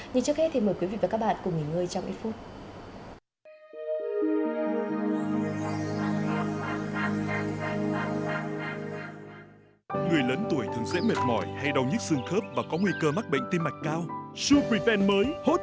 nhưng trước hết thì mời quý vị và các bạn cùng nghỉ ngơi trong ít phút